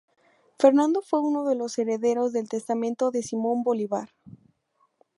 Fernando fue uno de los herederos del Testamento de Simón Bolívar.